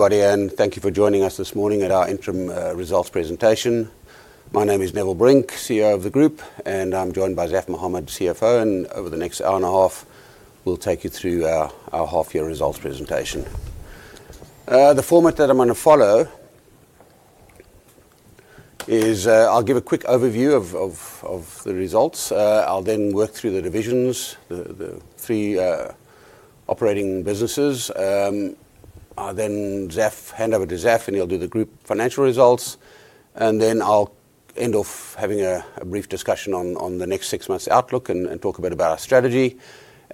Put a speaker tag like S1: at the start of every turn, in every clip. S1: Hi everybody, thank you for joining us this morning at our interim results presentation. My name is Neville Brink, CEO of the Group. I'm joined by Zaf Mahomed, CFO. Over the next one and a half hours, we'll take you through our half-year results presentation. The format that I'm going to follow is I'll give a quick overview of the results. I'll then work through the divisions, the three operating businesses and I'll then hand over to Zaf and he'll do the Group financial results. I'll end off having a brief discussion on the next six months outlook. I'll talk a bit about our strategy.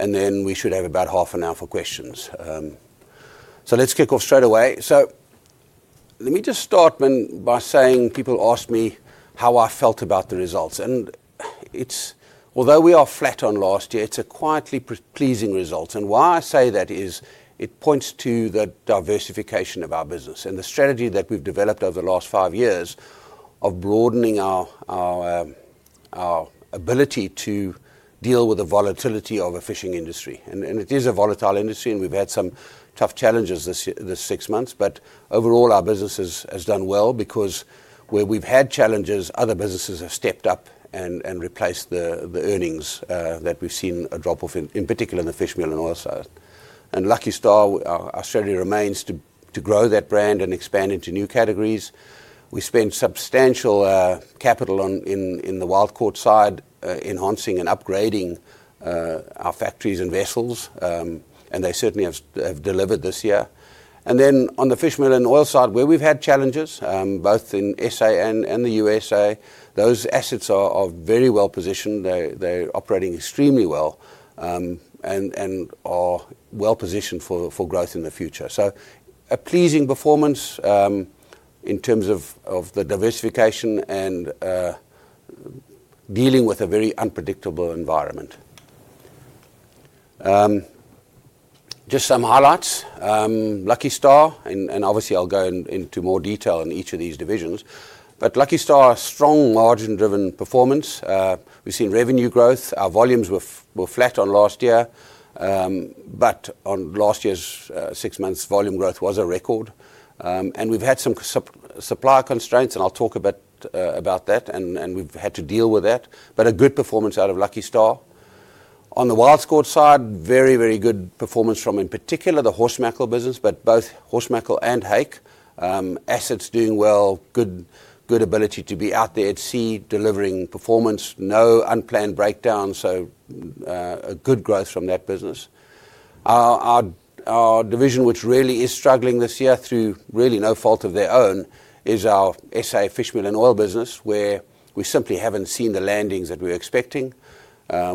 S1: We should have about half an hour for questions. Let's kick off straight away. Let me just start by saying people ask me how I felt about the results. Although we are flat on last year, it's a quietly pleasing result. Why I say that is it points to the diversification of our business and the strategy that we've developed over the last five years of broadening our ability to deal with the volatility of a fishing industry. It is a volatile industry, and we've had some tough challenges this six months, but overall, our business has done well because where we've had challenges, other businesses have stepped up and replaced the earnings that we've seen a drop off, in particular the Fishmeal and Fish Oil side. Lucky Star, our strategy remains to grow that brand and expand into new categories. We spent substantial capital in Wild Caught side, enhancing and upgrading our factories and vessels, and they certainly have delivered this year. On the Fishmeal and Fish Oil side, where we've had challenges, both in S.A. and the U.S.A., those assets are very well-positioned. They're operating extremely well, and are well-positioned for growth in the future. A pleasing performance in terms of the diversification and dealing with a very unpredictable environment. Just some highlights. Lucky Star, and obviously I'll go into more detail in each of these divisions, but Lucky Star, strong margin-driven performance. We've seen revenue growth. Our volumes were flat on last year. On last year's six months, volume growth was a record. We've had some supply constraints, and I'll talk a bit about that, and we've had to deal with that but a good performance out of Lucky Star. On Wild Caught side, very, very good performance from, in particular, the horse mackerel business, but both horse mackerel and hake. Assets doing well, good ability to be out there at sea delivering performance. No unplanned breakdowns, so a good growth from that business. Our division which really is struggling this year, through really no fault of their own, is S.A. Fishmeal and Fish Oil business, where we simply haven't seen the landings that we were expecting.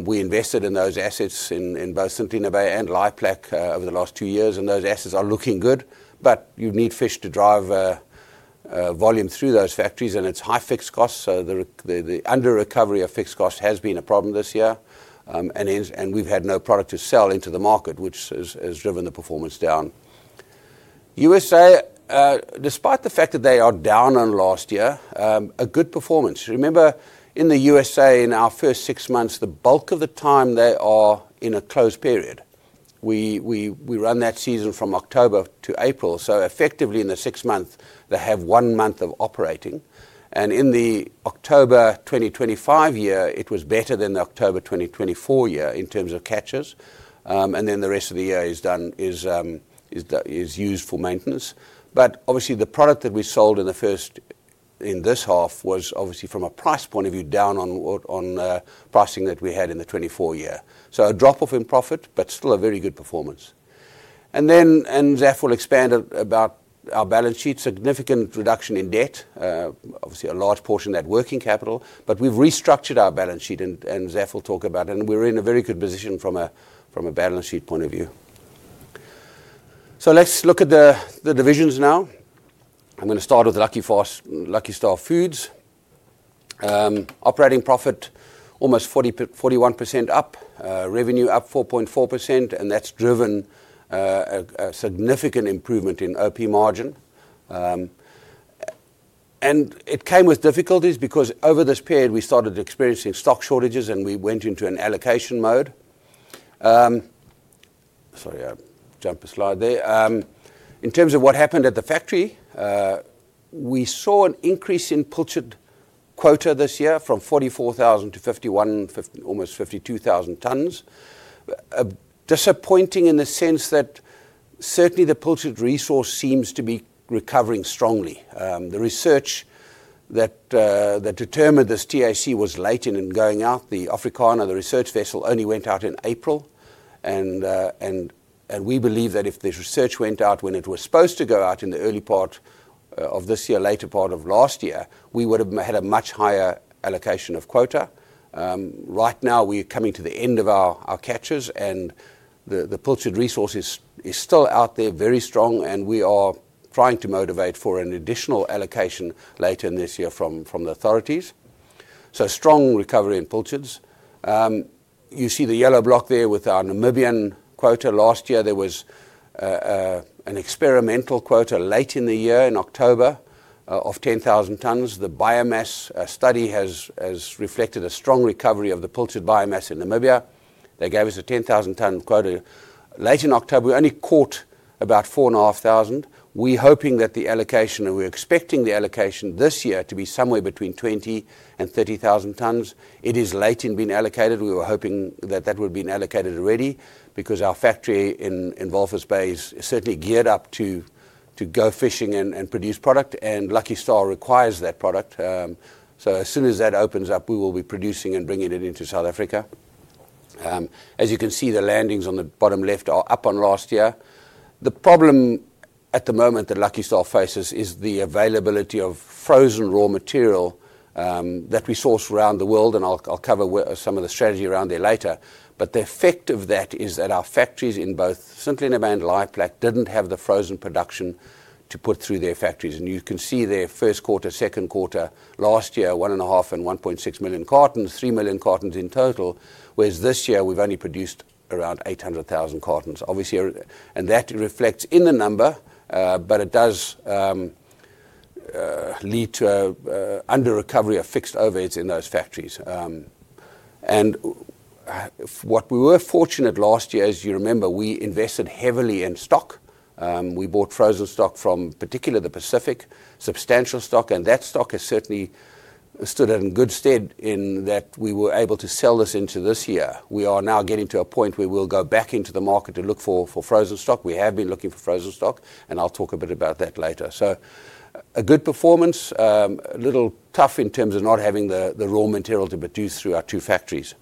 S1: We invested in those assets in both Saldanha Bay and Laaiplek over the last two years, those assets are looking good, but you need fish to drive volume through those factories, it's high fixed costs, the under recovery of fixed cost has been a problem this year, we've had no product to sell into the market, which has driven the performance down. U.S.A., despite the fact that they are down on last year, a good performance. Remember, in the U.S.A., in our first six months, the bulk of the time, they are in a closed period. We run that season from October to April, effectively in the six months, they have one month of operating. In the October 2025 year, it was better than the October 2024 year in terms of catches and the rest of the year is used for maintenance. Obviously the product that we sold in this half was obviously, from a price point of view, down on pricing that we had in the 2024 year. A drop-off in profit, but still a very good performance. Zaf will expand about our balance sheet. Significant reduction in debt. Obviously, a large portion of that, working capital but we've restructured our balance sheet, and Zaf will talk about it, and we're in a very good position from a balance sheet point of view. Let's look at the divisions now. I'm going to start with Lucky Star Foods. Operating profit, almost 41% up. Revenue up 4.4%, and that's driven a significant improvement in OP margin. It came with difficulties because over this period we started experiencing stock shortages and we went into an allocation mode. Sorry, I jumped a slide there. In terms of what happened at the factory, we saw an increase in pilchard quota this year from 44,000 to 51,000 almost 52,000 tons. Disappointing in the sense that certainly the pilchard resource seems to be recovering strongly. The research that determined this TAC was late in going out. The Africana, the research vessel, only went out in April. We believe that if the research went out when it was supposed to go out in the early part of this year, later part of last year, we would have had a much higher allocation of quota. Right now we are coming to the end of our catches and the pilchard resource is still out there very strong and we are trying to motivate for an additional allocation later in this year from the authorities, so strong recovery in pilchards. You see the yellow block there with our Namibian quota. Last year, there was an experimental quota late in the year in October of 10,000 tons. The biomass study has reflected a strong recovery of the pilchard biomass in Namibia. They gave us a 10,000 ton quota. Late in October, we only caught about 4,500 tons. We're hoping that the allocation, or we're expecting the allocation this year to be somewhere between 20,000 and 30,000 tons. It is late in being allocated. We were hoping that that would've been allocated already because our factory in Walvis Bay is certainly geared up to go fishing and produce product, and Lucky Star requires that product. As soon as that opens up, we will be producing and bringing it into South Africa. As you can see, the landings on the bottom left are up on last year. The problem at the moment that Lucky Star faces is the availability of frozen raw material that we source around the world, and I'll cover some of the strategy around there later. The effect of that is that our factories in both St. Helena Bay and Langebaan didn't have the frozen production to put through their factories. You can see their first quarter, second quarter last year, 1.5 million and 1.6 million cartons, 3 million cartons in total. Whereas this year, we've only produced around 800,000 cartons and that reflects in the number, but it does lead to under-recovery of fixed overheads in those factories. What we were fortunate last year, as you remember, we invested heavily in stock. We bought frozen stock from, particularly, the Pacific, substantial stock, and that stock has certainly stood in good stead in that we were able to sell this into this year. We are now getting to a point where we'll go back into the market to look for frozen stock. We have been looking for frozen stock, and I'll talk a bit about that later. A good performance. A little tough in terms of not having the raw material to produce through our two factories.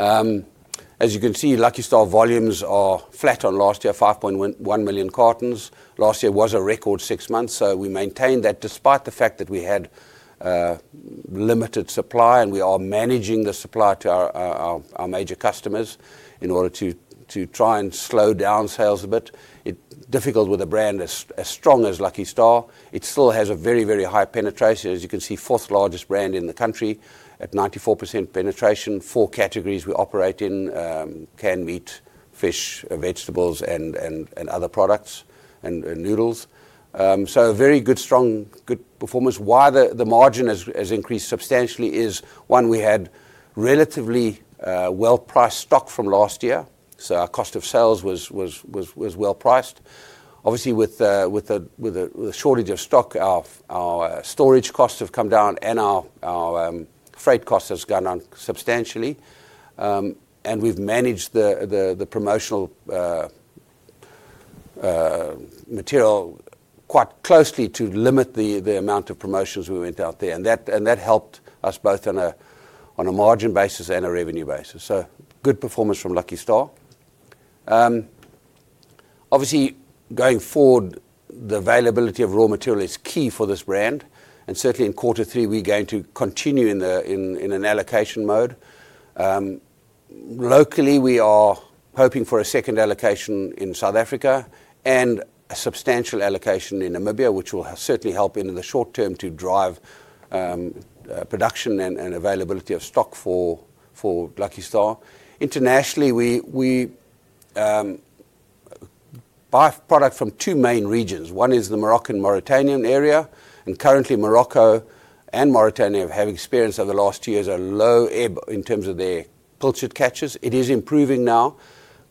S1: As you can see, Lucky Star volumes are flat on last year, 5.1 million cartons. Last year was a record six months, so we maintained that despite the fact that we had limited supply, and we are managing the supply to our major customers in order to try and slow down sales a bit. Difficult with a brand as strong as Lucky Star. It still has a very, very high penetration. As you can see, fourth largest brand in the country at 94% penetration. Four categories we operate in, canned meat, fish, vegetables, and other products, and noodles. A very good, strong, good performance. Why the margin has increased substantially is, one, we had relatively well-priced stock from last year, so our cost of sales was well-priced. Obviously, with the shortage of stock, our storage costs have come down and our freight cost has gone down substantially. We've managed the promotional material quite closely to limit the amount of promotions we went out there, and that helped us both on a margin basis and a revenue basis. Good performance from Lucky Star. Obviously, going forward, the availability of raw material is key for this brand. Certainly, in quarter three, we're going to continue in an allocation mode. Locally, we are hoping for a second allocation in South Africa and a substantial allocation in Namibia, which will certainly help in the short term to drive production and availability of stock for Lucky Star. Internationally, we buy product from two main regions. One is the Moroccan-Mauritanian area, and currently, Morocco and Mauritania have experienced, over the last two years, a low ebb in terms of their pilchard catches. It is improving now.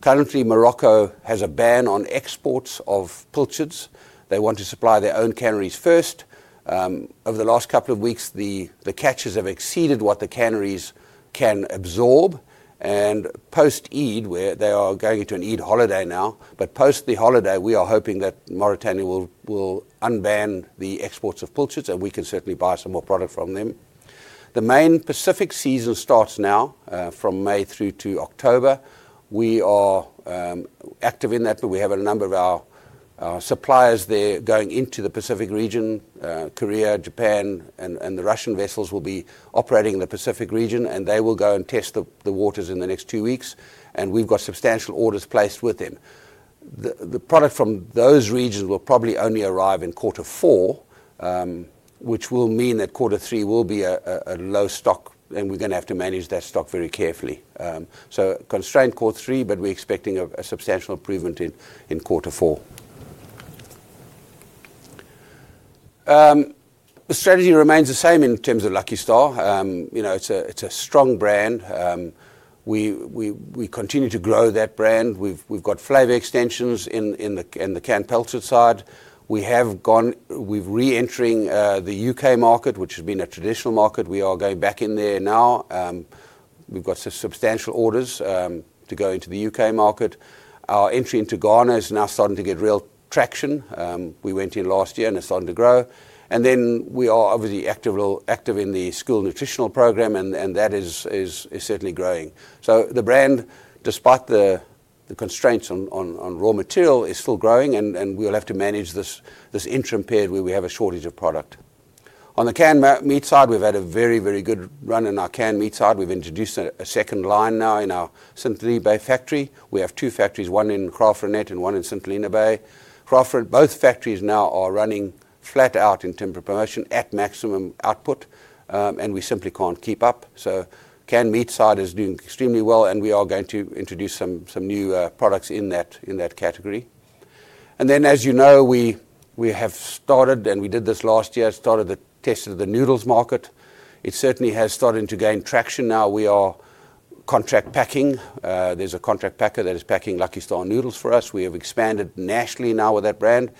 S1: Currently, Morocco has a ban on exports of pilchards. They want to supply their own canneries first. Over the last couple of weeks, the catches have exceeded what the canneries can absorb. Post-Eid, where they are going into an Eid holiday now, but post the holiday, we are hoping that Mauritania will unban the exports of pilchards, and we can certainly buy some more product from them. The main Pacific season starts now, from May through to October. We are active in that, but we have a number of our suppliers there going into the Pacific region. Korea, Japan, and the Russian vessels will be operating in the Pacific region, and they will go and test the waters in the next two weeks, and we've got substantial orders placed with them. The product from those regions will probably only arrive in quarter four, which will mean that quarter three will be a low stock, we're going to have to manage that stock very carefully. Constrained quarter three, we're expecting a substantial improvement in quarter four. The strategy remains the same in terms of Lucky Star. It's a strong brand. We continue to grow that brand. We've got flavor extensions in the canned pilchard side. We're re-entering the U.K. market, which has been a traditional market. We are going back in there now. We've got substantial orders to go into the U.K. market. Our entry into Ghana is now starting to get real traction. We went in last year, it's starting to grow and then we are obviously active in the school nutritional program, that is certainly growing. The brand, despite the constraints on raw material, is still growing, and we'll have to manage this interim period where we have a shortage of product. On the canned meat side, we've had a very, very good run in our canned meat side. We've introduced a second line now in our St. Helena Bay factory. We have two factories, one in Kraaifontein and one in St. Helena Bay. Both factories now are running flat out in terms of promotion at maximum output, and we simply can't keep up. Canned meat side is doing extremely well, and we are going to introduce some new products in that category. Then, as you know, we have, and we did this last year, started the test of the noodles market. It certainly has started to gain traction now. We are contract packing. There's a contract packer that is packing Lucky Star noodles for us. We have expanded nationally now with that brand.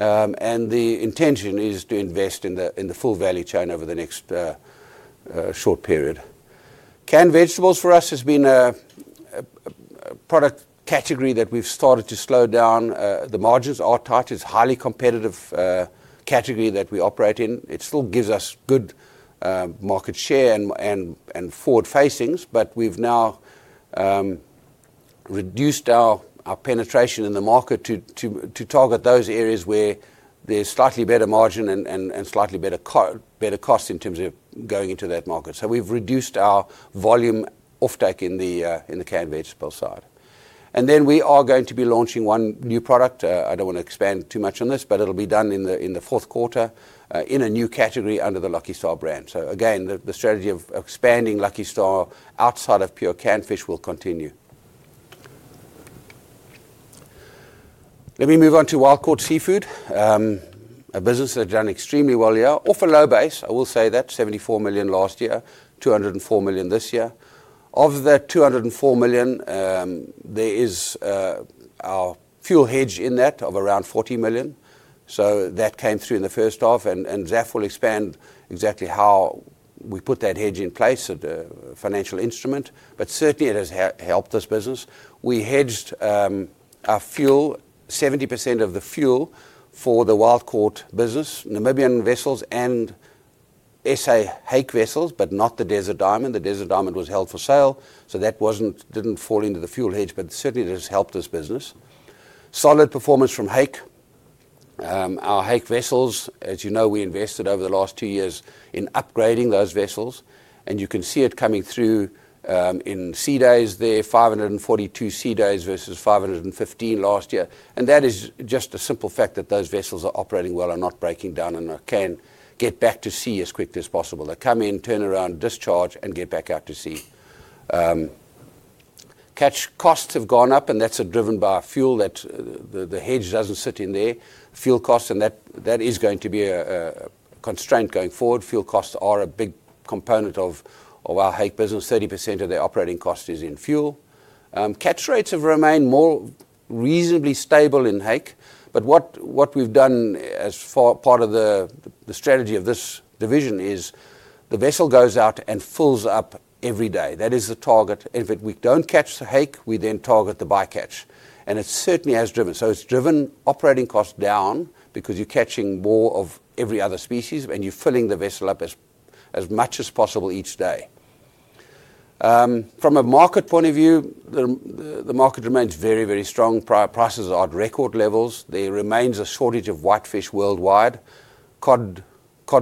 S1: The intention is to invest in the full value chain over the next short period. Canned vegetables for us has been a product category that we've started to slow down. The margins are tight. It's highly competitive category that we operate in. It still gives us good market share and forward facings but we've now reduced our penetration in the market to target those areas where there's slightly better margin and slightly better cost in terms of going into that market. We've reduced our volume offtake in the canned vegetables side. We are going to be launching one new product. I don't want to expand too much on this, but it'll be done in the fourth quarter, in a new category under the Lucky Star brand. Again, the strategy of expanding Lucky Star outside of pure canned fish will continue. Let me Wild Caught Seafood, a business that's done extremely well here, off a low base, I will say that, 74 million last year, 204 million this year. Of that 204 million, there is our fuel hedge in that of around 40 million. That came through in the first half, and Zaf will expand exactly how we put that hedge in place at the financial instrument. Certainly, it has helped this business. We hedged our fuel, 70% of the fuel for Wild Caught business, Namibian vessels, and S.A. hake vessels, but not the Desert Diamond. The Desert Diamond was held for sale, so that didn't fall into the fuel hedge, but certainly it has helped this business. Solid performance from hake. Our hake vessels, as you know, we invested over the last two years in upgrading those vessels, and you can see it coming through in sea days there, 542 sea days versus 515 last year. That is just a simple fact that those vessels are operating well and not breaking down and can get back to sea as quickly as possible. They come in, turn around, discharge, and get back out to sea. Catch costs have gone up, and that is driven by fuel that the hedge doesn't sit in there. Fuel costs, and that is going to be a constraint going forward. Fuel costs are a big component of our hake business. 30% of their operating cost is in fuel. Catch rates have remained more reasonably stable in hake. What we've done as part of the strategy of this division is the vessel goes out and fills up every day. That is the target. If we don't catch the hake, we then target the bycatch and so it's driven operating costs down because you're catching more of every other species, and you're filling the vessel up as much as possible each day. From a market point of view, the market remains very, very strong. Prices are at record levels. There remains a shortage of whitefish worldwide. Cod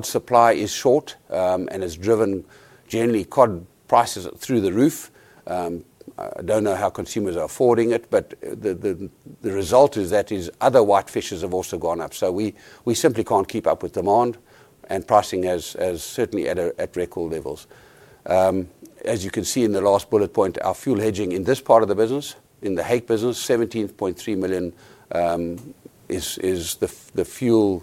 S1: supply is short, and it's driven generally cod prices through the roof. I don't know how consumers are affording it, but the result is that other whitefishes have also gone up. We simply can't keep up with demand, and pricing is certainly at record levels. As you can see in the last bullet point, our fuel hedging in this part of the business, in the hake business, 17.3 million is the fuel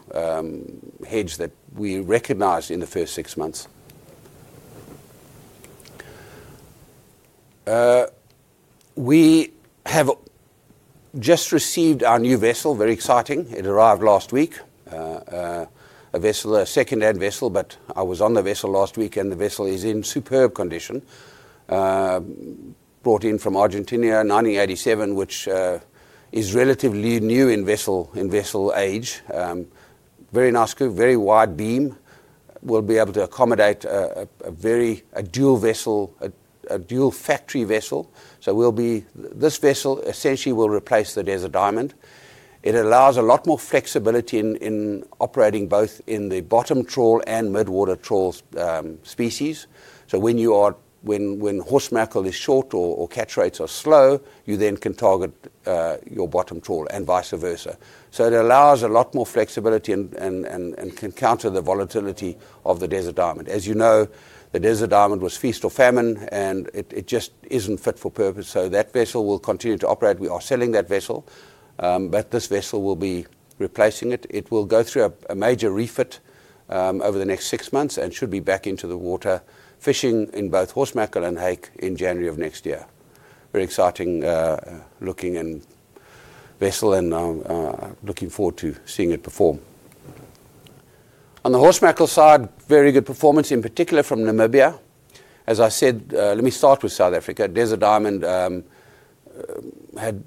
S1: hedge that we recognized in the first six months. We just received our new vessel. Very exciting. It arrived last week. A second-hand vessel, but I was on the vessel last week, and the vessel is in superb condition. Brought in from Argentina, 1987, which is relatively new in vessel age. Very nice scoop, very wide beam. We'll be able to accommodate a dual factory vessel. This vessel essentially will replace the Desert Diamond. It allows a lot more flexibility in operating both in the bottom trawl and mid-water trawl species. When horse mackerel is short or catch rates are slow, you then can target your bottom trawl, and vice versa. It allows a lot more flexibility and can counter the volatility of the Desert Diamond. As you know, the Desert Diamond was feast or famine, and it just isn't fit for purpose so that vessel will continue to operate. We are selling that vessel. This vessel will be replacing it. It will go through a major refit over the next six months and should be back into the water fishing in both horse mackerel and hake in January of next year. Very exciting looking vessel, and I'm looking forward to seeing it perform. On the horse mackerel side, very good performance, in particular from Namibia. As I said, let me start with South Africa. Desert Diamond had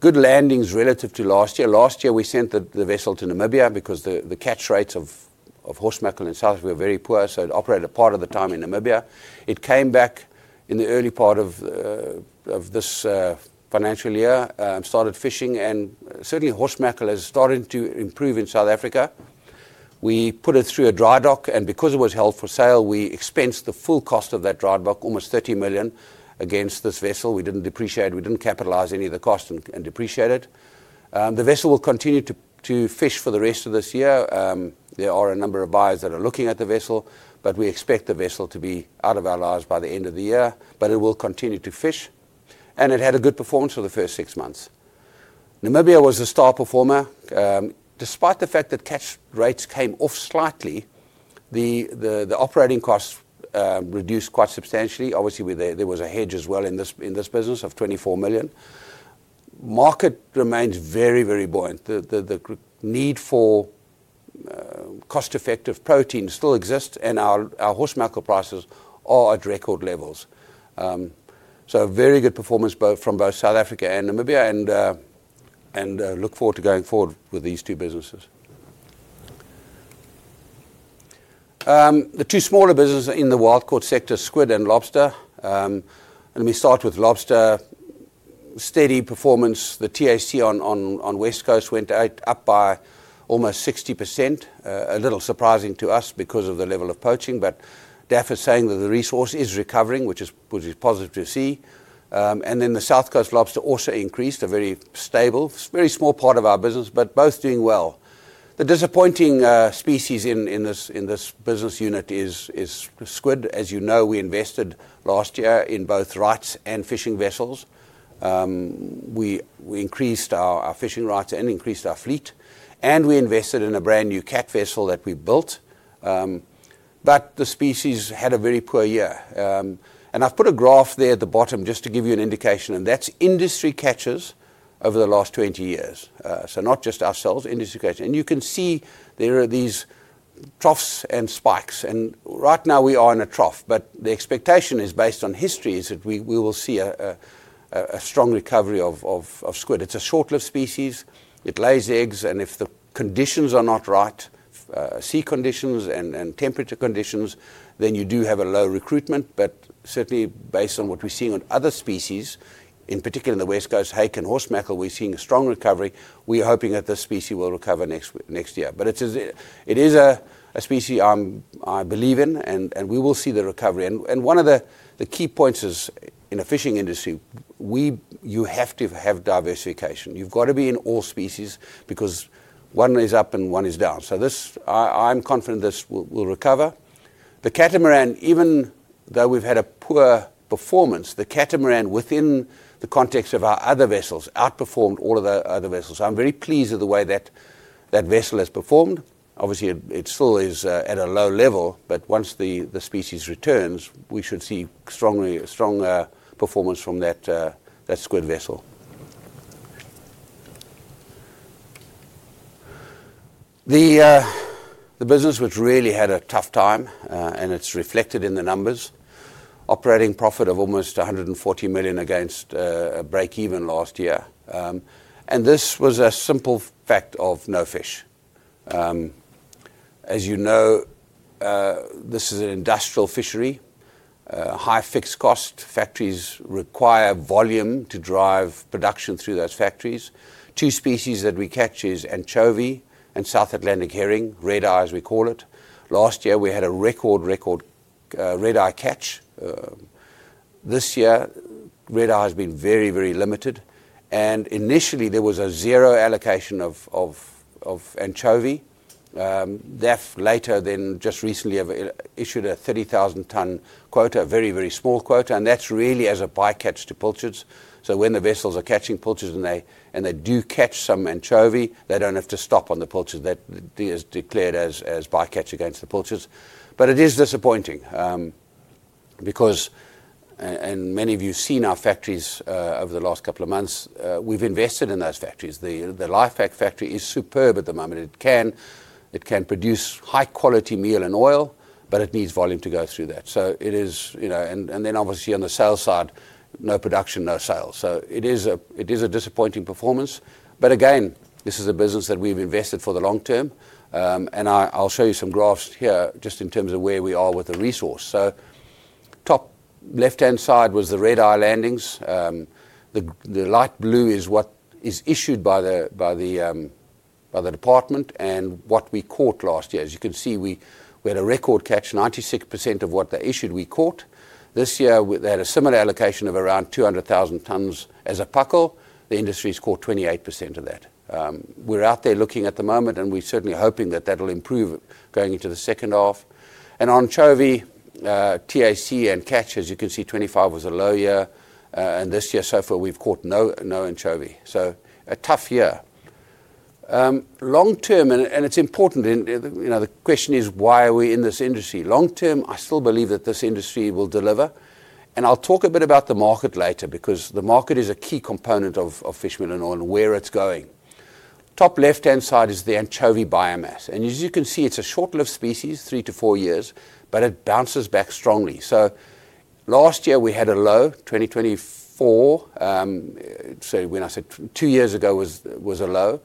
S1: good landings relative to last year. Last year, we sent the vessel to Namibia because the catch rates of horse mackerel in South Africa were very poor, so it operated part of the time in Namibia. It came back in the early part of this financial year, started fishing, and certainly horse mackerel has started to improve in South Africa. We put it through a dry dock, and because it was held for sale, we expensed the full cost of that dry dock, almost 30 million, against this vessel. We didn't depreciate. We didn't capitalize any of the cost and depreciate it. The vessel will continue to fish for the rest of this year. There are a number of buyers that are looking at the vessel, but we expect the vessel to be out of our lives by the end of the year, but it will continue to fish and it had a good performance for the first six months. Namibia was a star performer. Despite the fact that catch rates came off slightly, the operating costs reduced quite substantially. Obviously, there was a hedge as well in this business of 24 million. Market remains very buoyant. The need for cost-effective protein still exists, and our horse mackerel prices are at record levels. A very good performance from both South Africa and Namibia, and look forward to going forward with these two businesses. The two smaller businesses in the Wild Caught sector squid and lobster. Let me start with lobster. Steady performance. The TAC on West Coast went up by almost 60%. A little surprising to us because of the level of poaching, but DFFE is saying that the resource is recovering, which is positive to see. The South Coast lobster also increased. They're very stable. It's a very small part of our business, but both doing well. The disappointing species in this business unit is squid. As you know, we invested last year in both rights and fishing vessels. We increased our fishing rights and increased our fleet, and we invested in a brand-new cat vessel that we built but the species had a very poor year. I've put a graph there at the bottom just to give you an indication, and that's industry catches over the last 20 years. Not just ourselves, industry catches. You can see there are these troughs and spikes, and right now we are in a trough. The expectation is based on history, is that we will see a strong recovery of squid. It's a short-lived species. It lays eggs, and if the conditions are not right, sea conditions and temperature conditions, then you do have a low recruitment. Certainly, based on what we're seeing on other species, in particular in the West Coast, hake and horse mackerel, we're seeing a strong recovery. We're hoping that this species will recover next year. It is a species I believe in, and we will see the recovery. One of the key points is, in a fishing industry, you have to have diversification. You've got to be in all species because one is up and one is down. This, I'm confident this will recover. The catamaran, even though we've had a poor performance, the catamaran within the context of our other vessels, outperformed all of the other vessels. I'm very pleased with the way that that vessel has performed. Obviously, it still is at a low level, but once the species returns, we should see stronger performance from that squid vessel. The business which really had a tough time, and it's reflected in the numbers, operating profit of almost 140 million against a break-even last year. This was a simple fact of no fish. As you know, this is an industrial fishery. High fixed cost factories require volume to drive production through those factories. Two species that we catch is anchovy and South Atlantic herring, red-eye, as we call it. Last year, we had a record red-eye catch. This year, red-eye has been very limited, and initially there was a zero allocation of anchovy. DFFE later then just recently issued a 30,000-ton quota, a very small quota, and that's really as a bycatch to pilchards. When the vessels are catching pilchards and they do catch some anchovy, they don't have to stop on the pilchards. That is declared as bycatch against the pilchards. It is disappointing, because, and many of you've seen our factories over the last couple of months, we've invested in those factories. The Laaiplek factory is superb at the moment. It can produce high-quality meal and oil, but it needs volume to go through that. Obviously on the sales side, no production, no sale. It is a disappointing performance. Again, this is a business that we've invested for the long term. I'll show you some graphs here just in terms of where we are with the resource. Top left-hand side was the red-eye landings. The light blue is what is issued by the department and what we caught last year. As you can see, we had a record catch, 96% of what they issued, we caught. This year, they had a similar allocation of around 200,000 tons as a buckle. The industry's caught 28% of that. We're out there looking at the moment and we're certainly hoping that that'll improve going into the second half. Anchovy TAC and catch, as you can see, 2025 was a low year. This year so far, we've caught no anchovy, so a tough year. Long term, it's important, the question is why are we in this industry? Long term, I still believe that this industry will deliver, and I'll talk a bit about the market later because the market is a key component Fishmeal and Fish Oil and where it's going. Top left-hand side is the anchovy biomass. As you can see, it's a short-lived species, three to four years, but it bounces back strongly. Last year we had a low, 2024. When I said two years ago was a low.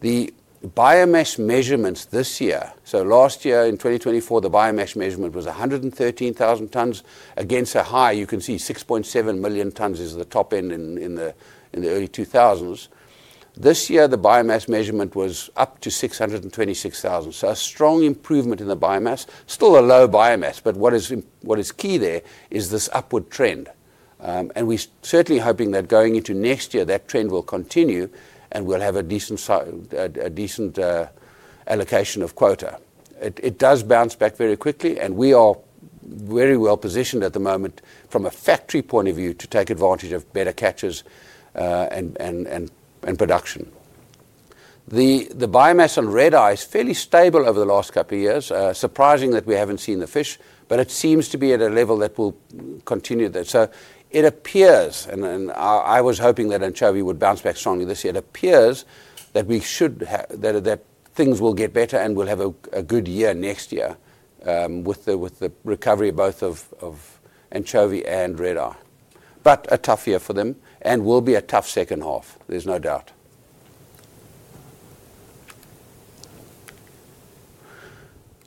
S1: The biomass measurements this year, last year in 2024, the biomass measurement was 113,000 tons against a high, you can see 6.7 million tons is the top end in the early 2000s. This year, the biomass measurement was up to 626,000. A strong improvement in the biomass. Still a low biomass, but what is key there is this upward trend. We're certainly hoping that going into next year, that trend will continue, and we'll have a decent allocation of quota. It does bounce back very quickly, and we are very well-positioned at the moment from a factory point of view to take advantage of better catches and production. The biomass on red-eye herring is fairly stable over the last couple of years. Surprising that we haven't seen the fish, but it seems to be at a level that will continue there. It appears, and I was hoping that anchovy would bounce back strongly this year, it appears that things will get better and we'll have a good year next year with the recovery both of anchovy and red-eye herring. A tough year for them and will be a tough second half, there's no doubt.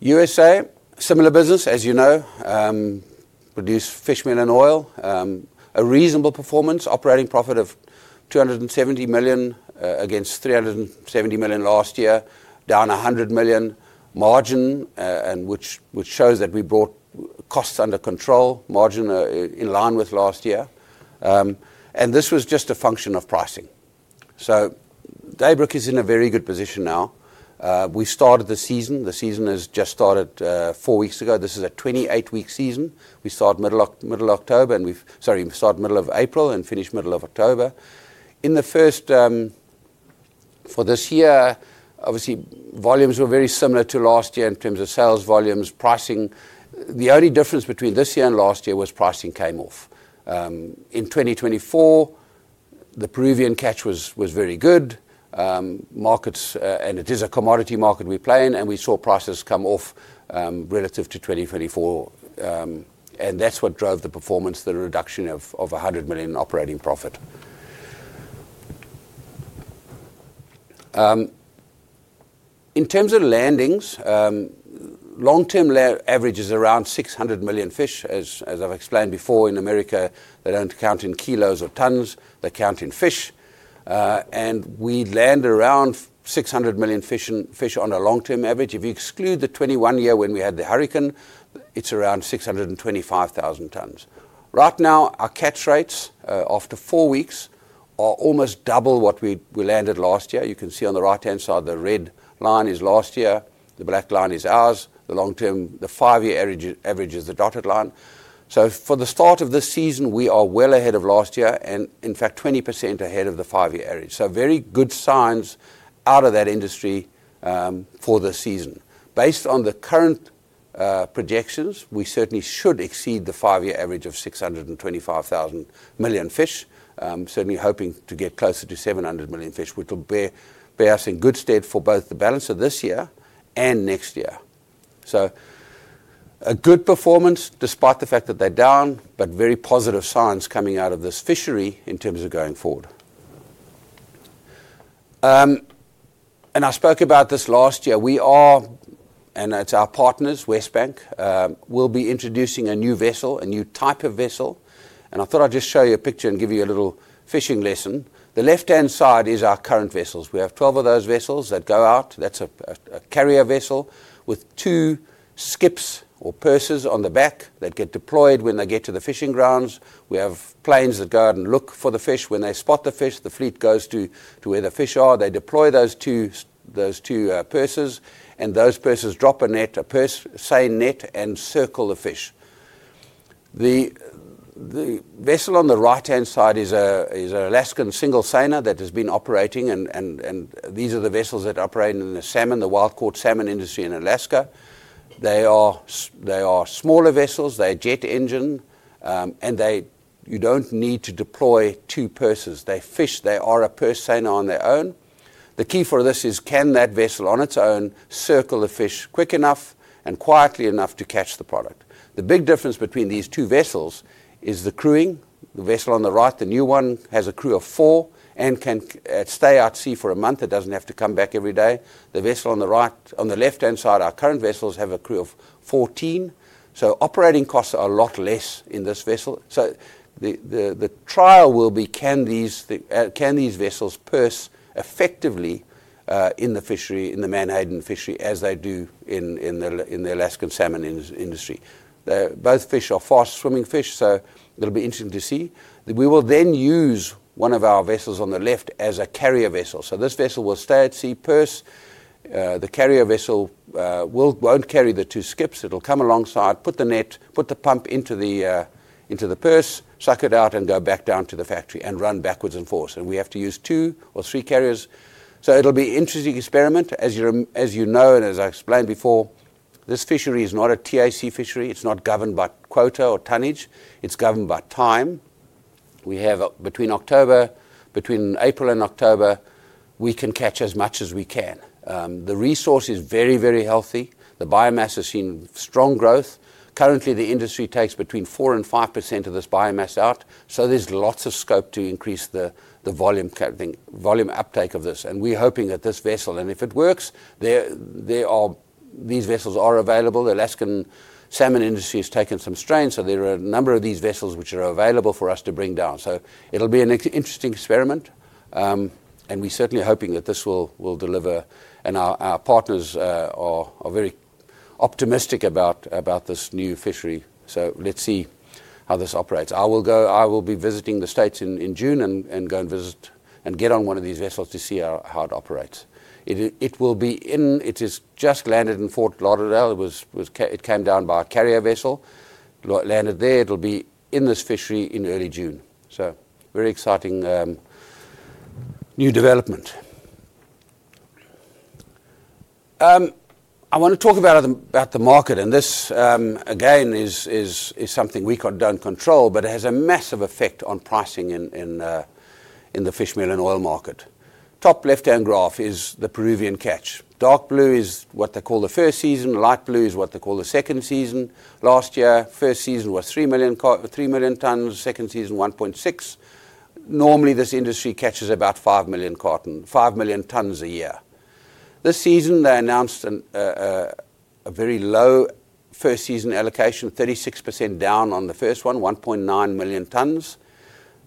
S1: U.S.A., similar business, as you know. Produce fishmeal and oil. A reasonable performance, operating profit of 270 million against 370 million last year, down 100 million margin, and which shows that we brought costs under control, margin in line with last year andthis was just a function of pricing. Daybrook is in a very good position now. We started the season. The season has just started four weeks ago. This is a 28-week season. We start middle of April and finish middle of October. For this year, obviously volumes were very similar to last year in terms of sales volumes, pricing. The only difference between this year and last year was pricing came off. In 2024, the Peruvian catch was very good. It is a commodity market we play in, and we saw prices come off relative to 2024 and that's what drove the performance, the reduction of 100 million operating profit. In terms of landings, long-term average is around 600-million fish, as I've explained before, in America, they don't count in kilos or tons, they count in fish. We land around 600 million fish on a long-term average. If you exclude the 2021 when we had the hurricane, it's around 625,000 tons. Right now, our catch rates, after four weeks, are almost double what we landed last year. You can see on the right-hand side, the red line is last year, the black line is ours. The long-term, the five-year average is the dotted line. For the start of this season, we are well ahead of last year and, in fact, 20% ahead of the five-year average. It's a very good sign out of the industry for the season. Based on the current projections, we certainly should exceed the five-year average of 625,000 million fish. Certainly hoping to get closer to 700 million fish, which will bear us in good stead for both the balance of this year and next year. A good performance despite the fact that they're down, but very positive signs coming out of this fishery in terms of going forward. I spoke about this last year. We are, and it's our partners, Westbank, we'll be introducing a new vessel, a new type of vessel. I thought I'd just show you a picture and give you a little fishing lesson. The left-hand side is our current vessels. We have 12 of those vessels that go out. That's a carrier vessel with two skips or purses on the back that get deployed when they get to the fishing grounds. We have planes that go out and look for the fish. When they spot the fish, the fleet goes to where the fish are. They deploy those two purses, and those purses drop a net, a purse seine net, and circle the fish. The vessel on the right-hand side is an Alaskan purse seiner that has been operating and these are the vessels that operate in the salmon, Wild Caught salmon industry in Alaska. They are smaller vessels. They're jet engine. You don't need to deploy two purses, they fish. They are a purse seiner on their own. The key for this is can that vessel on its own circle the fish quick enough and quietly enough to catch the product? The big difference between these two vessels is the crewing. The vessel on the right, the new one, has a crew of four and can stay out to sea for a month. It doesn't have to come back every day. The vessel on the left-hand side, our current vessels have a crew of 14. Operating costs are a lot less in this vessel. The trial will be can these vessels purse effectively in the fishery, in the menhaden fishery, as they do in the Alaskan salmon industry. Both fish are fast-swimming fish, so it'll be interesting to see. We will use one of our vessels on the left as a carrier vessel so this vessel will stay at sea, purse. The carrier vessel won't carry the two skips. It'll come alongside, put the net, put the pump into the purse, suck it out and go back down to the factory and run backwards and forwards. We have to use two or three carriers. It'll be interesting experiment. As you know and as I explained before, this fishery is not a TAC fishery. It's not governed by quota or tonnage. It's governed by time. Between April and October, we can catch as much as we can. The resource is very, very healthy. The biomass has seen strong growth. Currently, the industry takes between 4% and 5% of this biomass out, so there's lots of scope to increase the volume uptake of this and we're hoping that this vessel, and if it works, these vessels are available. The Alaskan salmon industry has taken some strain, so there are a number of these vessels which are available for us to bring down. It'll be an interesting experiment, and we're certainly hoping that this will deliver, and our partners are very optimistic about this new fishery. Let's see how this operates. I will be visiting the States in June and go and visit and get on one of these vessels to see how it operates. It has just landed in Fort Lauderdale. It came down by a carrier vessel, landed there. It'll be in this fishery in early June so very exciting new development. I want to talk about the market, and this again, is something we don't control, but it has a massive effect on pricing in the Fishmeal and Oil market. Top left-hand graph is the Peruvian catch. Dark blue is what they call the first season. Light blue is what they call the second season. Last year, first season was 3 million tons, second season, 1.6 million tons. Normally, this industry catches about 5 million tons a year. This season, they announced a very low first season allocation, 36% down on the first one, 1.9 million tons.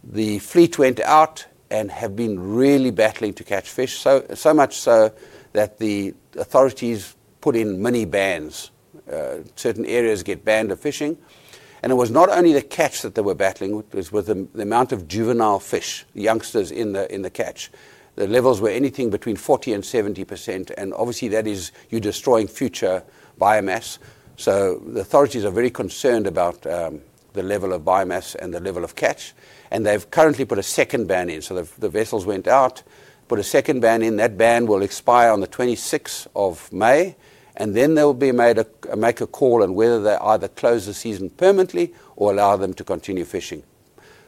S1: The fleet went out and have been really battling to catch fish, so much so that the authorities put in many bans. Certain areas get banned of fishing and it was not only the catch that they were battling with, it was the amount of juvenile fish, the youngsters in the catch. The levels were anything between 40% and 70%, and obviously, that is you destroying future biomass. The authorities are very concerned about the level of biomass and the level of catch, and they've currently put a second ban in. The vessels went out, put a second ban in. That ban will expire on the 26th of May, then they'll make a call on whether they either close the season permanently or allow them to continue fishing.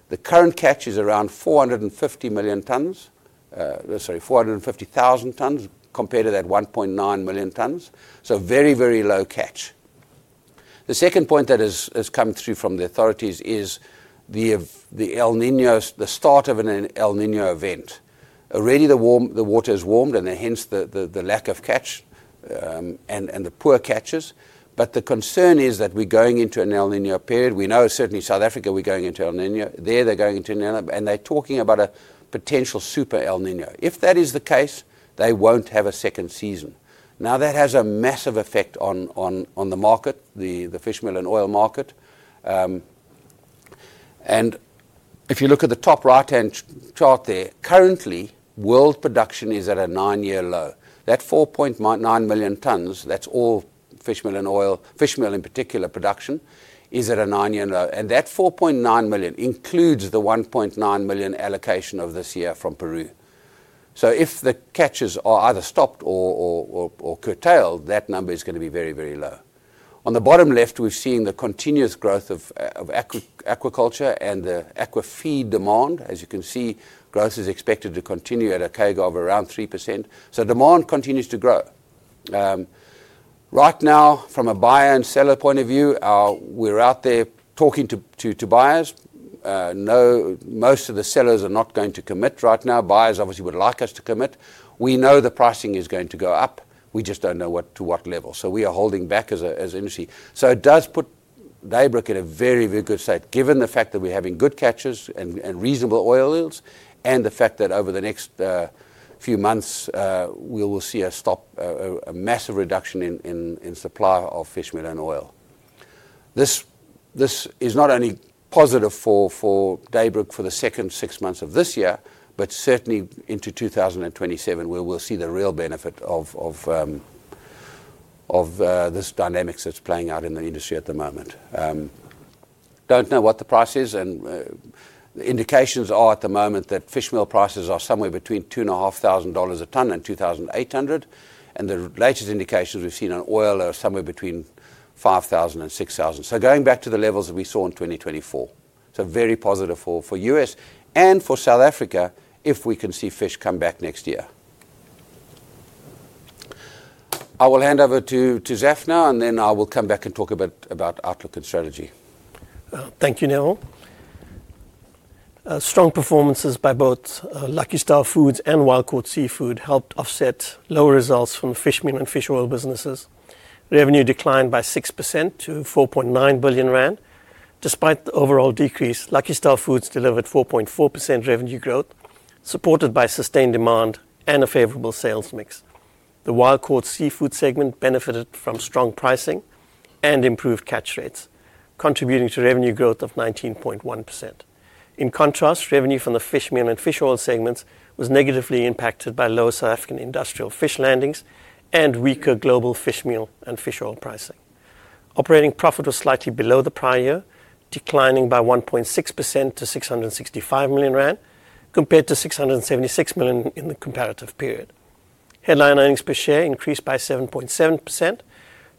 S1: The current catch is around 450,000 tons compared to that 1.9 million tons. Very, very low catch. The second point that has come through from the authorities is the start of an El Niño event. The water has warmed, hence the lack of catch and the poor catches. The concern is that we're going into an El Niño period. We know certainly South Africa, we're going into El Niño. There, they're going into El Niño, they're talking about a potential super El Niño. If that is the case, they won't have a second season. Now that has a massive effect on the market, the Fishmeal and Oil market. If you look at the top right-hand chart there, currently, world production is at a nine-year low. That 4.9 million tons, that's all fishmeal and oil, fishmeal in particular production is at a nine-year low, that 4.9 million includes the 1.9 million allocation of this year from Peru. If the catches are either stopped or curtailed, that number is going to be very, very low. On the bottom left, we've seen the continuous growth of aquaculture and the aquafeed demand. As you can see, growth is expected to continue at a CAGR of around 3%. Demand continues to grow. Right now, from a buyer and seller point of view, we're out there talking to buyers. Most of the sellers are not going to commit right now. Buyers obviously would like us to commit. We know the pricing is going to go up. We just don't know to what level. We are holding back as an industry. It does put Daybrook in a very, very good state, given the fact that we're having good catches and reasonable oil yields, and the fact that over the next few months, we will see a massive reduction in supply of fishmeal and oil. This is not only positive for Daybrook for the second six months of this year, but certainly into 2027, where we will see the real benefit of this dynamics that is playing out in the industry at the moment. Do not know what the price is, the indications are at the moment that fishmeal prices are somewhere between ZAR 2,500 a ton and 2,800. The latest indications we have seen on oil are somewhere between 5,000 and 6,000. Going back to the levels that we saw in 2024. Very positive for U.S. and for South Africa if we can see fish come back next year. I will hand over to Zaf now, and then I will come back and talk a bit about outlook and strategy.
S2: Thank you, Neville. Strong performances by both Lucky Star Foods Wild Caught Seafood helped offset lower results from Fishmeal and Fish Oil businesses. Revenue declined by 6% to 4.9 billion rand. Despite the overall decrease, Lucky Star Foods delivered 4.4% revenue growth, supported by sustained demand and a favorable sales mix. Wild Caught Seafood segment benefited from strong pricing and improved catch rates, contributing to revenue growth of 19.1%. In contrast, revenue from the Fishmeal and Fish Oil segments was negatively impacted by lower South African industrial fish landings and weaker global Fishmeal and Fish Oil pricing. Operating profit was slightly below the prior year, declining by 1.6% to 665 million rand compared to 676 million in the comparative period. Headline earnings per share increased by 7.7%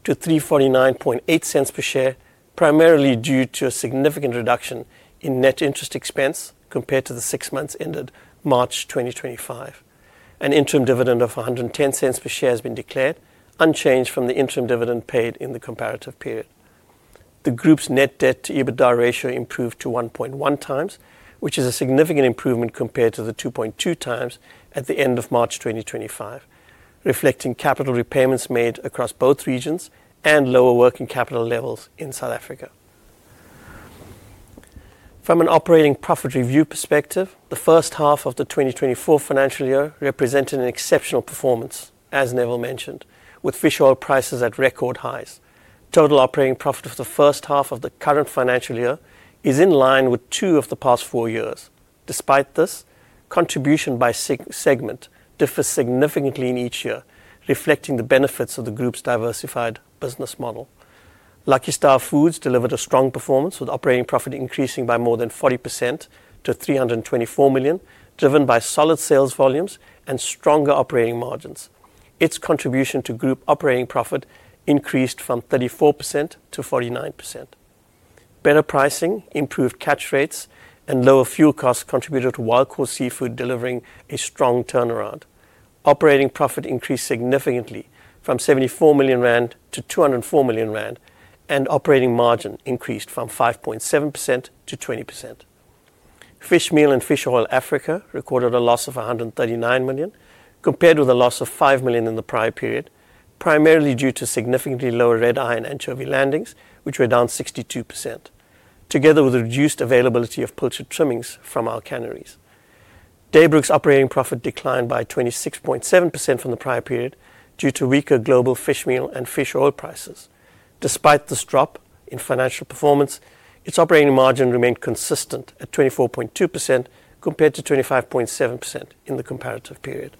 S2: to 3.498 per share, primarily due to a significant reduction in net interest expense compared to the six months ended March 2025. An interim dividend of 1.10 per share has been declared, unchanged from the interim dividend paid in the comparative period. The group's net debt to EBITDA ratio improved to 1.1x, which is a significant improvement compared to the 2.2x at the end of March 2025, reflecting capital repayments made across both regions and lower working capital levels in South Africa. From an operating profit review perspective, the first half of the 2024 financial year represented an exceptional performance, as Neville mentioned, with fish oil prices at record highs. Total operating profit of the first half of the current financial year is in line with two of the past four years. Despite this, contribution by segment differs significantly in each year, reflecting the benefits of the group's diversified business model. Lucky Star Foods delivered a strong performance with operating profit increasing by more than 40% to 324 million, driven by solid sales volumes and stronger operating margins. Its contribution to group operating profit increased from 34% to 49%. Better pricing, improved catch rates, and lower fuel costs contributed Wild Caught Seafood delivering a strong turnaround. Operating profit increased significantly from 74 million rand to 204 million rand, and operating margin increased from 5.7% to 20%. Fishmeal and Fish Oil Africa recorded a loss of 139 million compared with a loss of 5 million in the prior period, primarily due to significantly lower red-eye and anchovy landings, which were down 62%, together with a reduced availability of pilchard trimmings from our canneries. Daybrook's operating profit declined by 26.7% from the prior period due to weaker global Fishmeal and Fish Oil prices. Despite this drop in financial performance, its operating margin remained consistent at 24.2% compared to 25.7% in the comparative period.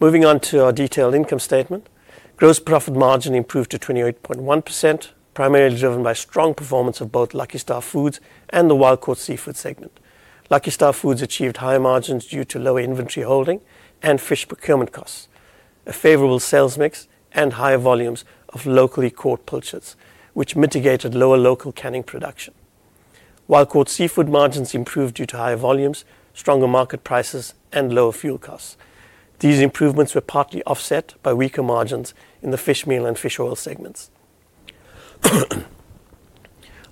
S2: Moving on to our detailed income statement. Gross profit margin improved to 28.1%, primarily driven by strong performance of both Lucky Star Foods and Wild Caught Seafood segment. Lucky Star Foods achieved higher margins due to lower inventory holding and fish procurement costs, a favorable sales mix, and higher volumes of locally caught pilchards, which mitigated lower local canning production. Wild Caught Seafood margins improved due to higher volumes, stronger market prices, and lower fuel costs. These improvements were partly offset by weaker margins in the Fishmeal and Fish Oil segments.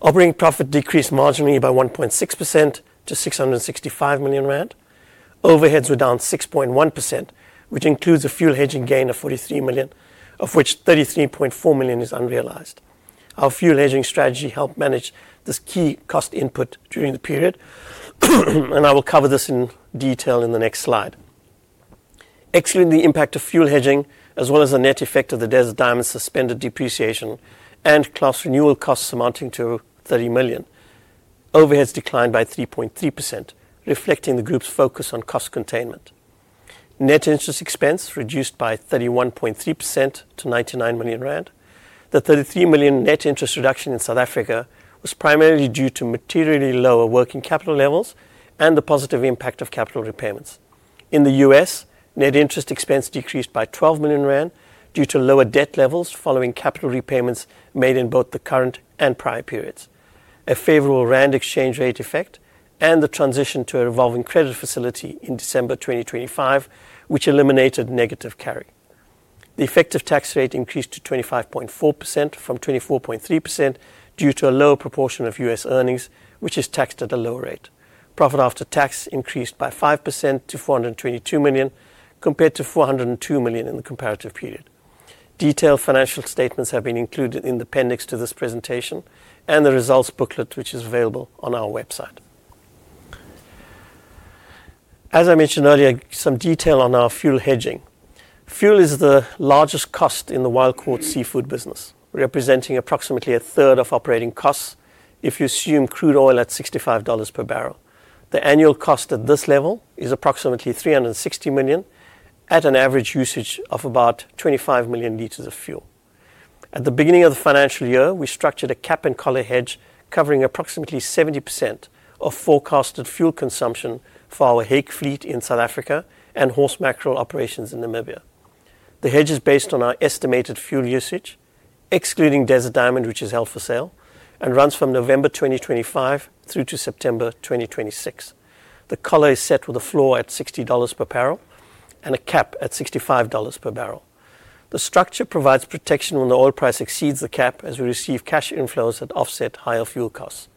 S2: Operating profit decreased marginally by 1.6% to 665 million rand. Overheads were down 6.1%, which includes a fuel hedging gain of 43 million, of which 33.4 million is unrealized. Our fuel hedging strategy help manage this key cost input during the period and I will cover this in detail in the next slide. Excluding the impact of fuel hedging, as well as the net effect of the Desert Diamond suspended depreciation and class renewal costs amounting to 30 million, overheads declined by 3.3%, reflecting the group's focus on cost containment. Net interest expense reduced by 31.3% to 99 million rand. The 33 million net interest reduction in South Africa was primarily due to materially lower working capital levels and the positive impact of capital repayments. In the U.S., net interest expense decreased by 12 million rand due to lower debt levels following capital repayments made in both the current and prior periods, a favorable rand exchange rate effect, and the transition to a revolving credit facility in December 2025, which eliminated negative carry. The effective tax rate increased to 25.4% from 24.3% due to a lower proportion of U.S. earnings, which is taxed at a lower rate. Profit after tax increased by 5% to 422 million, compared to 402 million in the comparative period. Detailed financial statements have been included in the appendix to this presentation and the results booklet, which is available on our website. As I mentioned earlier, some detail on our fuel hedging. Fuel is the largest cost in Wild Caught Seafood business, representing approximately 1/3 of operating costs if you assume crude oil at $65/bbl. The annual cost at this level is approximately 360 million at an average usage of about 25 million L of fuel. At the beginning of the financial year, we structured a cap and collar hedge covering approximately 70% of forecasted fuel consumption for our hake fleet in South Africa and horse mackerel operations in Namibia. The hedge is based on our estimated fuel usage, excluding Desert Diamond, which is held for sale, and runs from November 2025 through to September 2026. The collar is set with a floor at $60/bbl and a cap at $65/bbl. The structure provides protection when the oil price exceeds the cap as we receive cash inflows that offset higher fuel costs.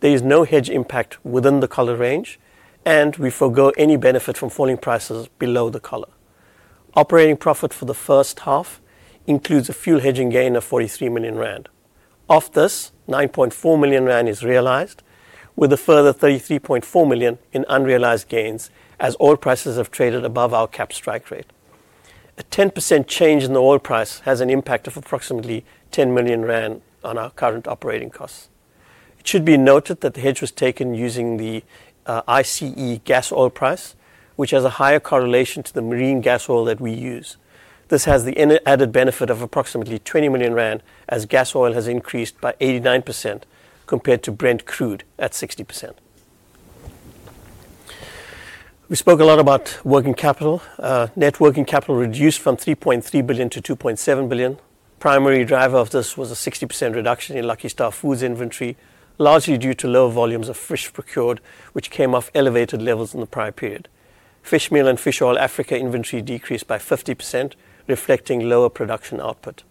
S2: There is no hedge impact within the collar range, and we forgo any benefit from falling prices below the collar. Operating profit for the first half includes a fuel hedging gain of 43 million rand. Of this, 9.4 million rand is realized with a further 33.4 million in unrealized gains as oil prices have traded above our cap strike rate. A 10% change in the oil price has an impact of approximately 10 million rand on our current operating costs. It should be noted that the hedge was taken using the ICE Gasoil price, which has a higher correlation to the marine gas oil that we use. This has the added benefit of approximately 20 million rand, as gas oil has increased by 89% compared to Brent crude at 60%. We spoke a lot about working capital. Net working capital reduced from 3.3 billion to 2.7 billion. Primary driver of this was a 60% reduction in Lucky Star Foods inventory, largely due to lower volumes of fish procured, which came off elevated levels in the prior period. Fishmeal and Fish Oil Africa inventory decreased by 50%, reflecting lower production output.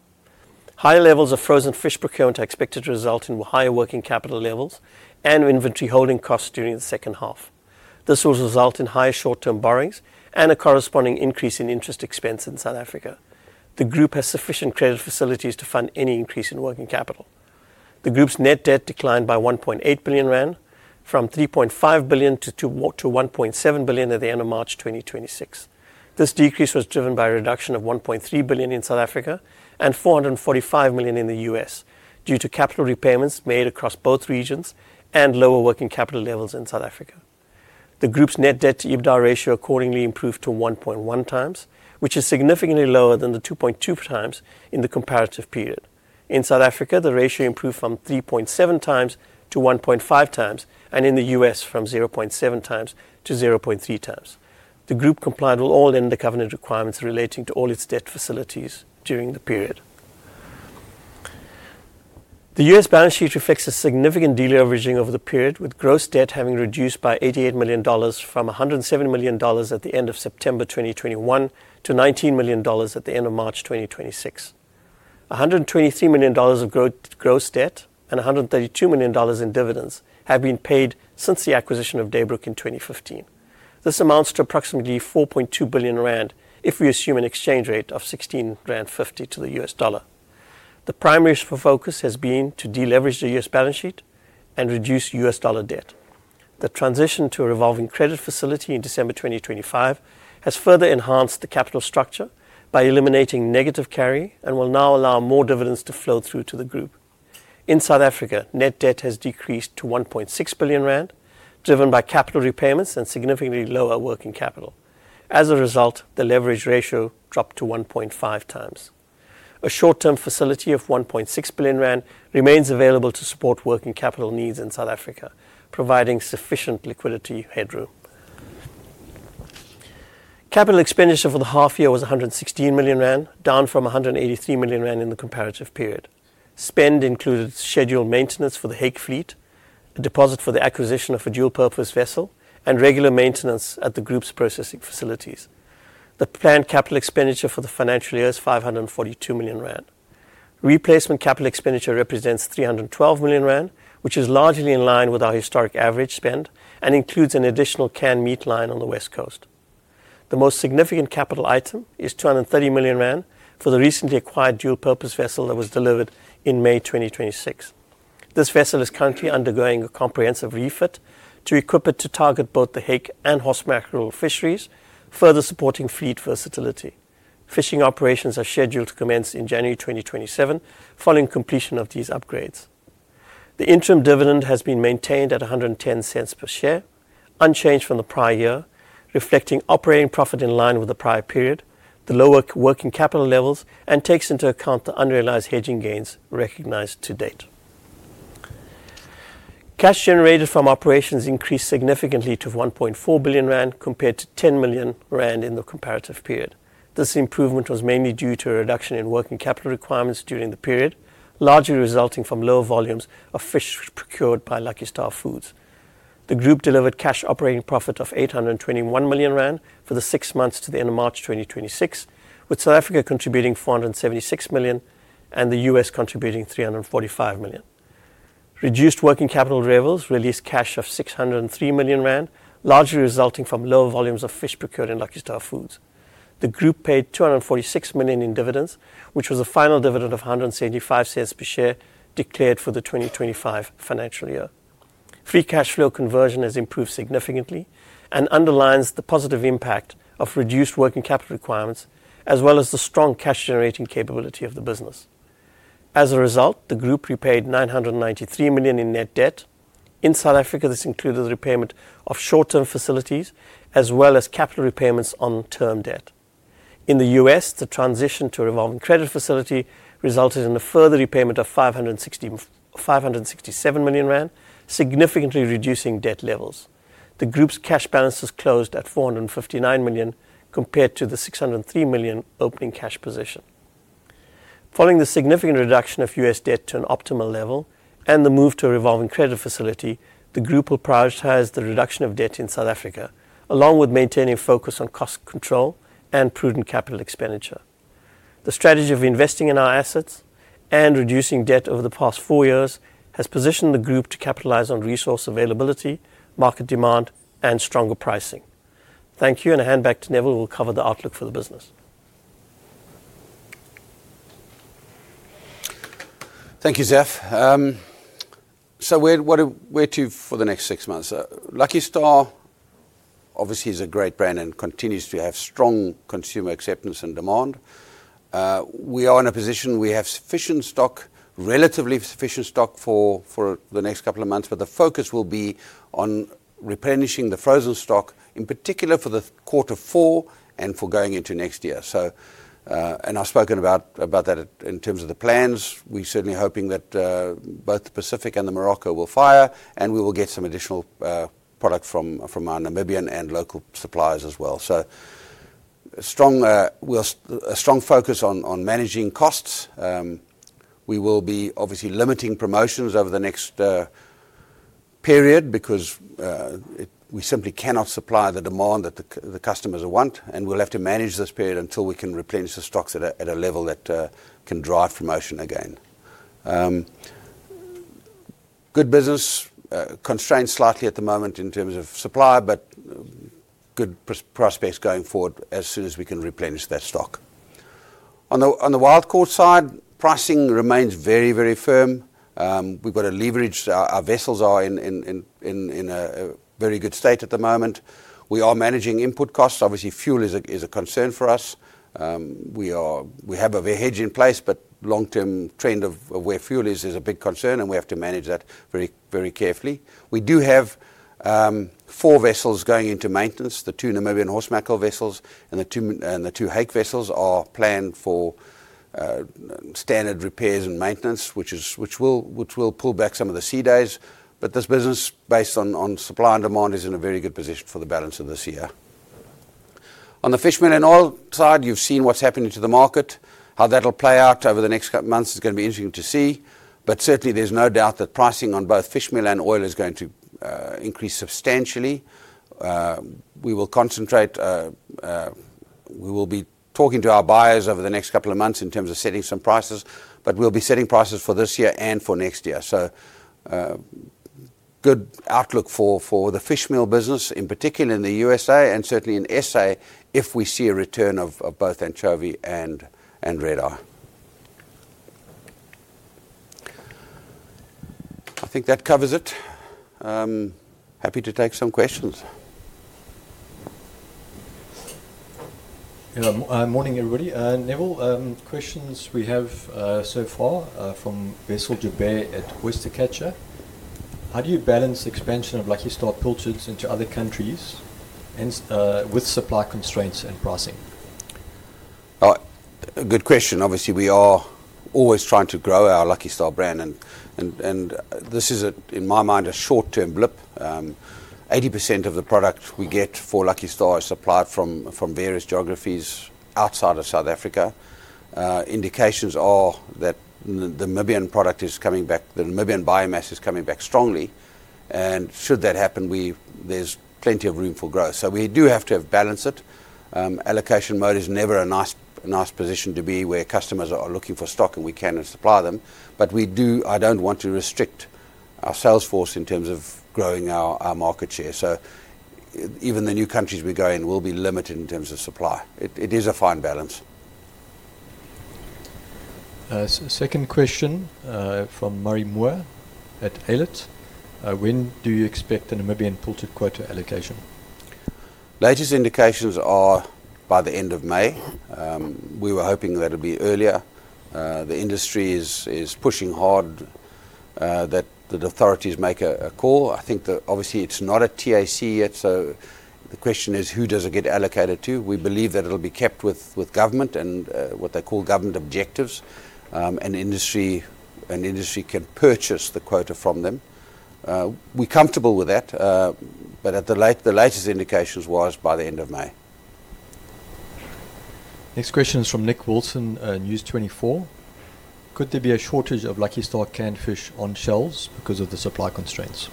S2: Higher levels of frozen fish procurement are expected to result in higher working capital levels and inventory holding costs during the second half. This will result in higher short-term borrowings and a corresponding increase in interest expense in South Africa. The group has sufficient credit facilities to fund any increase in working capital. The group's net debt declined by 1.8 billion rand from 3.5 billion to 1.7 billion at the end of March 2026. This decrease was driven by a reduction of 1.3 billion in South Africa and $445 million in the U.S. due to capital repayments made across both regions and lower working capital levels in South Africa. The group's net debt to EBITDA ratio accordingly improved to 1.1x, which is significantly lower than the 2.2x in the comparative period. In South Africa, the ratio improved from 3.7x to 1.5x, and in the U.S. from 0.7x to 0.3x. The group complied with all end covenant requirements relating to all its debt facilities during the period. The U.S. balance sheet reflects a significant deleveraging over the period, with gross debt having reduced by $88 million from $107 million at the end of September 2021 to $19 million at the end of March 2026. $123 million of gross debt and $132 million in dividends have been paid since the acquisition of Daybrook in 2015. This amounts to approximately 4.2 billion rand if we assume an exchange rate of 16.50 rand to the U.S. dollar. The primary focus has been to deleverage the U.S. balance sheet and reduce U.S. dollar debt. The transition to a revolving credit facility in December 2025 has further enhanced the capital structure by eliminating negative carry and will now allow more dividends to flow through to the group. In South Africa, net debt has decreased to 1.6 billion rand, driven by capital repayments and significantly lower working capital. As a result, the leverage ratio dropped to 1.5x. A short-term facility of 1.6 billion rand remains available to support working capital needs in South Africa, providing sufficient liquidity headroom. Capital expenditure for the half year was 116 million rand, down from 183 million rand in the comparative period. Spend included scheduled maintenance for the hake fleet, a deposit for the acquisition of a dual-purpose vessel, and regular maintenance at the group's processing facilities. The planned capital expenditure for the financial year is 542 million rand. Replacement capital expenditure represents 312 million rand, which is largely in line with our historic average spend and includes an additional canned meat line on the West Coast. The most significant capital item is 230 million rand for the recently acquired dual-purpose vessel that was delivered in May 2026. This vessel is currently undergoing a comprehensive refit to equip it to target both the hake and horse mackerel fisheries, further supporting fleet versatility. Fishing operations are scheduled to commence in January 2027 following completion of these upgrades. The interim dividend has been maintained at 1.10 per share, unchanged from the prior year, reflecting operating profit in line with the prior period, the lower working capital levels, and takes into account the unrealized hedging gains recognized to date. Cash generated from operations increased significantly to 1.4 billion rand, compared to 10 million rand in the comparative period. This improvement was mainly due to a reduction in working capital requirements during the period, largely resulting from lower volumes of fish procured by Lucky Star Foods. The group delivered cash operating profit of 821 million rand for the six months to the end of March 2026, with South Africa contributing 476 million and the U.S. contributing 345 million. Reduced working capital levels released cash of 603 million rand, largely resulting from lower volumes of fish procured in Lucky Star Foods. The group paid 246 million in dividends, which was a final dividend of 1.75 per share declared for the FY 2025. Free cash flow conversion has improved significantly and underlines the positive impact of reduced working capital requirements, as well as the strong cash-generating capability of the business. As a result, the group repaid 993 million in net debt. In South Africa, this included repayment of short-term facilities as well as capital repayments on term debt. In the U.S., the transition to a revolving credit facility resulted in a further repayment of 567 million rand, significantly reducing debt levels. The group's cash balances closed at 459 million, compared to the 603 million opening cash position. Following the significant reduction of U.S. debt to an optimal level and the move to a revolving credit facility, the group will prioritize the reduction of debt in South Africa, along with maintaining focus on cost control and prudent capital expenditure. The strategy of investing in our assets and reducing debt over the past four years has positioned the group to capitalize on resource availability, market demand, and stronger pricing. Thank you, and I hand back to Neville, who will cover the outlook for the business.
S1: Thank you, Zaf. Where to for the next six months? Lucky Star obviously is a great brand and continues to have strong consumer acceptance and demand. We are in a position we have sufficient stock, relatively sufficient stock for the next couple of months. The focus will be on replenishing the frozen stock, in particular for the quarter four and for going into next year. I've spoken about that in terms of the plans. We're certainly hoping that both the Pacific and the Morocco will fire, and we will get some additional product from our Namibian and local suppliers as well, so a strong focus on managing costs. We will be obviously limiting promotions over the next period because we simply cannot supply the demand that the customers want. We'll have to manage this period until we can replenish the stocks at a level that can drive promotion again. Good business. Constrained slightly at the moment in terms of supply but good prospects going forward as soon as we can replenish that stock. On the Wild Caught side, pricing remains very, very firm. We've got a leverage. Our vessels are in a very good state at the moment. We are managing input costs so obviously, fuel is a concern for us. We have a hedge in place. Long-term trend of where fuel is a big concern and we have to manage that very carefully. We do have four vessels going into maintenance. The two Namibian horse mackerel vessels and the two hake vessels are planned for standard repairs and maintenance, which will pull back some of the sea days. This business, based on supply and demand, is in a very good position for the balance of this year. On the Fishmeal and Oil side, you've seen what's happening to the market. How that'll play out over the next couple months is going to be interesting to see. Certainly, there's no doubt that pricing on both fishmeal and oil is going to increase substantially. We will be talking to our buyers over the next couple of months in terms of setting some prices, but we'll be setting prices for this year and for next year. Good outlook for the Fishmeal business, in particular in the U.S.A. and certainly in S.A. if we see a return of both anchovy and red-eye. I think that covers it. Happy to take some questions.
S3: Morning, everybody. Neville, questions we have so far are from Wessel Joubert at Oyster Catcher. How do you balance expansion of Lucky Star pilchards into other countries with supply constraints and pricing?
S1: Good question. Obviously, we are always trying to grow our Lucky Star brand and this is, in my mind, a short-term blip. 80% of the product we get for Lucky Star is supplied from various geographies outside of South Africa. Indications are that the Namibian biomass is coming back strongly and should that happen, there is plenty of room for growth so we do have to balance it. Allocation mode is never a nice position to be where customers are looking for stock and we cannot supply them. I don't want to restrict our sales force in terms of growing our market share. Even the new countries we go in, we will be limited in terms of supply. It is a fine balance.
S3: Second question from Murray Moore at Aylett. When do you expect a Namibian pilchard quota allocation?
S1: Latest indications are by the end of May. We were hoping that it'd be earlier. The industry is pushing hard that the authorities make a call. I think that obviously it's not a TAC yet, so the question is who does it get allocated to? We believe that it'll be kept with government and what they call government objectives, and industry can purchase the quota from them. We're comfortable with that. The latest indications was by the end of May.
S3: Next question is from Nick Wilson, News24. Could there be a shortage of Lucky Star canned fish on shelves because of the supply constraints?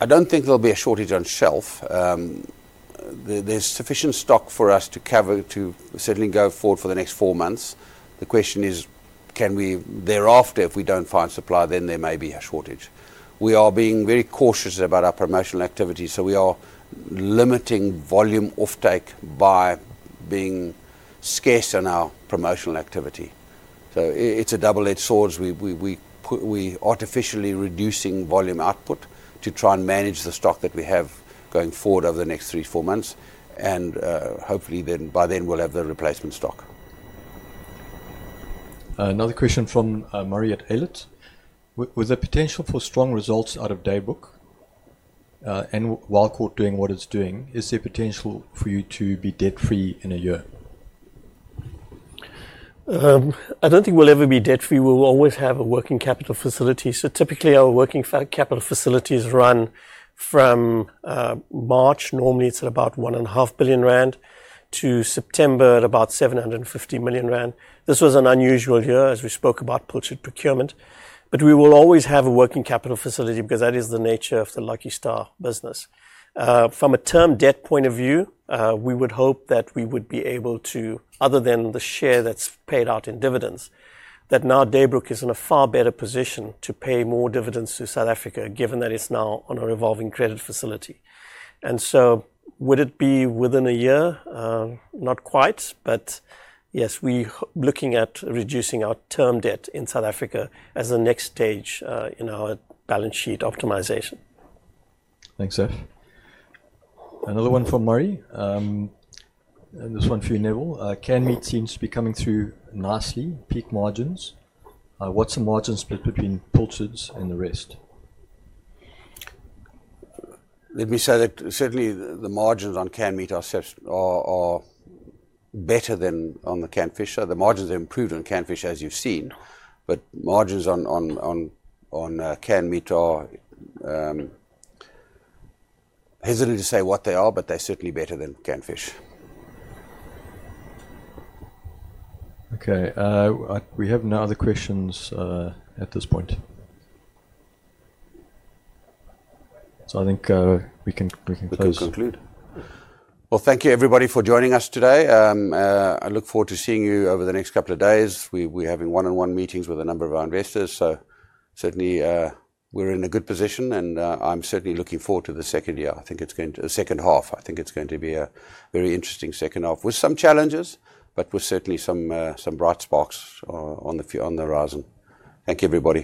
S1: I don't think there'll be a shortage on shelf. There's sufficient stock for us to certainly go forward for the next four months. The question is, thereafter, if we don't find supply, then there may be a shortage. We are being very cautious about our promotional activities. We are limiting volume offtake by being scarce in our promotional activity. It's a double-edged sword. We artificially reducing volume output to try and manage the stock that we have going forward over the next three, four months, and hopefully by then we'll have the replacement stock.
S3: Another question from Murray at Aylett. With the potential for strong results out of Wild Caught doing what it's doing, is there potential for you to be debt-free in a year?
S2: I don't think we'll ever be debt free. We will always have a working capital facility. Typically, our working capital facilities run from March, normally it's at about 1.5 billion rand, to September at about 750 million rand. This was an unusual year as we spoke about pilchard procurement. We will always have a working capital facility because that is the nature of the Lucky Star business. From a term debt point of view, we would hope that we would be able to, other than the share that's paid out in dividends, that now Daybrook is in a far better position to pay more dividends to South Africa, given that it's now on a revolving credit facility. Would it be within a year? Not quite, but yes, we looking at reducing our term debt in South Africa as the next stage in our balance sheet optimization.
S3: Thanks, Zaf. Another one from Murray. This one for you, Neville. Canned meat seems to be coming through nicely. Peak margins. What's the margin split between pilchards and the rest?
S1: Let me say that certainly the margins on canned meat are better than on the canned fish. The margins have improved on canned fish, as you've seen. Margins on canned meat are hesitant to say what they are, but they're certainly better than canned fish.
S3: Okay. We have no other questions at this point. I think we can close-
S1: We can conclude. Well, thank you everybody for joining us today. I look forward to seeing you over the next couple of days. We're having one-on-one meetings with a number of our investors, so certainly, we're in a good position and I'm certainly looking forward to the second half. I think it's going to be a very interesting second half with some challenges, but with certainly some bright sparks on the horizon. Thank you, everybody.